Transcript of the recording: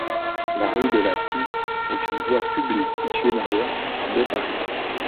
La rue de la Py est une voie publique située dans le de Paris.